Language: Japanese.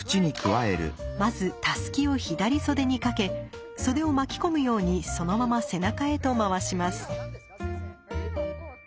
まずたすきを左袖にかけ袖を巻き込むようにそのまま背中へと回します。